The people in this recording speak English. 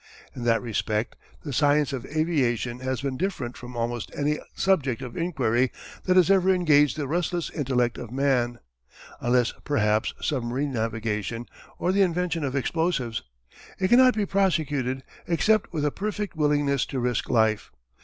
In that respect the science of aviation has been different from almost any subject of inquiry that has ever engaged the restless intellect of man, unless perhaps submarine navigation, or the invention of explosives. It cannot be prosecuted except with a perfect willingness to risk life.